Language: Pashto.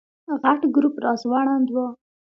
غټ ګروپ راځوړند و.